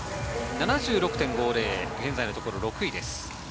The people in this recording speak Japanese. ７６．５０、現在のところ６位です。